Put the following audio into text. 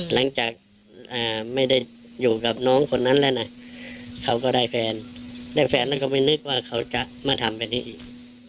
หลังจากไม่ได้อยู่กับน้องคนนั้นแล้วนะเขาก็ได้แฟนได้แฟนแล้วก็ไม่นึกว่าเขาจะมาทำแบบนี้อีก